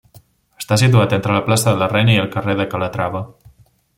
Està situat entre la plaça de la Reina i el carrer de Calatrava.